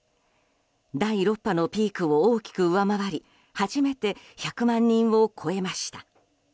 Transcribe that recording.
第６波のピークを大きく上回り初めて１００万人を超えました。